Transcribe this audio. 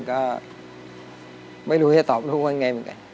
ก็ไม่รู้จะตอบลูกว่าไงเหมือนกัน